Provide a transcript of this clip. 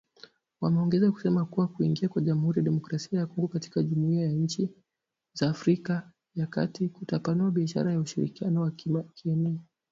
Wameongeza kusema kuwa kuingia kwa Jamuhuri ya kidemokrasia ya kongo katika jumuhiya ya inchi za Afrika ya kat kutapanua biashara na ushirikiano wa kieneo